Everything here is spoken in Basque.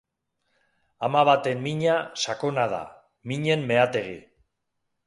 Ama baten mina sakona da, minen meategi.